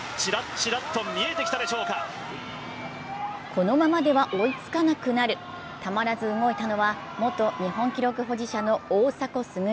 このままでは追いつかなくなる、たまらず動いたのは元日本記録保持者の大迫傑。